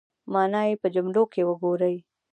مانا یې په جملو کې وګورئ